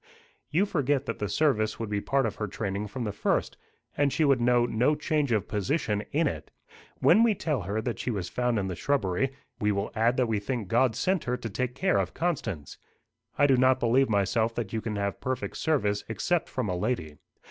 "You forget that the service would be part of her training from the first; and she would know no change of position in it. When we tell her that she was found in the shrubbery, we will add that we think God sent her to take care of Constance. I do not believe myself that you can have perfect service except from a lady.